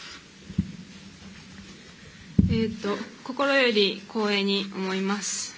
心より光栄に思います。